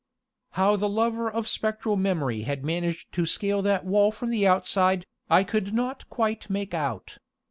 How the lover of spectral memory had managed to scale that wall from the outside, I could not quite make out.